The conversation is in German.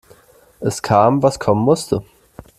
Es kam, was kommen musste.